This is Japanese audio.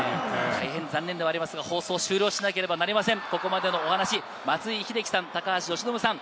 大変残念ではありますが、放送を終了しなければなりません。